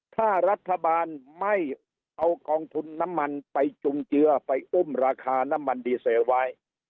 ถ้ารัฐบาลไม่เอากองทุนน้ำมันไปจุงเจือไปอุ้มราคาน้ำมันดีเซลไว้